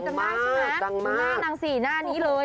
ดังมากดังมากจังมากง่ายนางสี่หน้านี้เลย